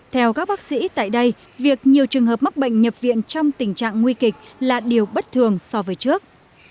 theo các bác sĩ tại đây việc nhiều trường hợp mắc bệnh nhập viện trong tình trạng nguy kịch là điều bất thường so với trước